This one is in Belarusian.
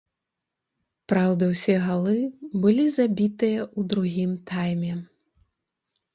Праўда, усе галы былі забітыя ў другім тайме.